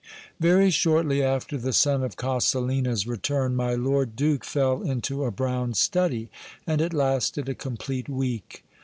Very shortly after the son of Coselina's return, my lord duke fell into a brown study, and it lasted a complete week.